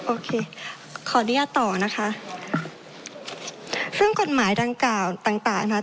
โอเคขอเรียกต่อนะคะเรื่องกฎหมายดังกล่าวต่างต่างนะครับ